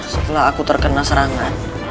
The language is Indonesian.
setelah aku terkena serangan